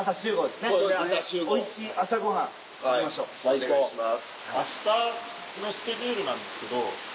お願いします。